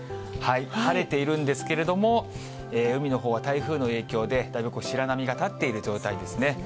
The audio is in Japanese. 晴ているんですけれども、海のほうは台風の影響で、だいぶ白波が立っている状態ですね。